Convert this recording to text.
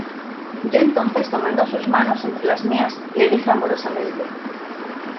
yo entonces tomando sus manos entre las mías , le dije amorosamente :